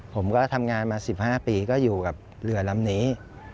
ผมก็ทำงานมา๑๕ปีก็อยู่กับเรือลำนี้